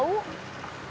kebetulannya proses tim ini